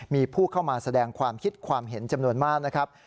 มีผู้เข้ามาแสดงความคิดความเห็นจำนวนมากนะครับ